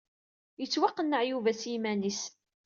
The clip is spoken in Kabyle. Yettwaqenneɛ Yuba s yiman-is.